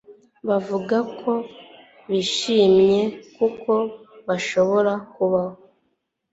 Bavuga ko bishimye kuko bashobora kubaho